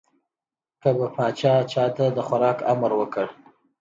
که به پاچا چا ته د خوراک امر وکړ.